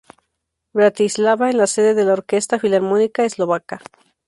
Bratislava es la sede de la Orquesta Filarmónica Eslovaca.